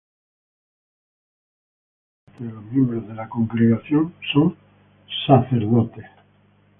Solo una pequeña parte de los miembros de la congregación son sacerdotes.